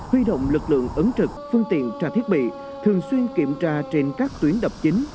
huy động lực lượng ứng trực phương tiện trà thiết bị thường xuyên kiểm tra trên các tuyến đập chính